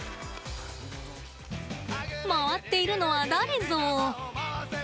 回っているのは誰ぞ？